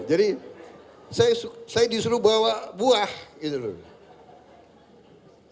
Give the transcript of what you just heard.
jadi saya disuruh bawa buah gitu loh